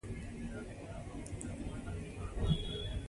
ده د کورنۍ تاریخي میراث ساتنه کوي.